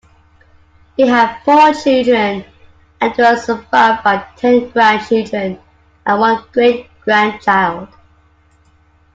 He had four children and was survived by ten grandchildren and one great-grandchild.